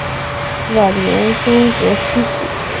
晚年生活凄苦。